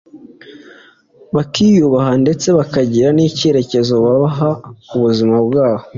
bakiyubaha ndetse bakagira n’icyerekezo baha ubuzima bwabo